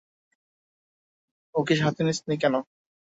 ওকে সাথে নিসনি কেন?